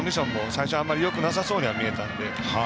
最初はあまりよくなさそうに見えたので。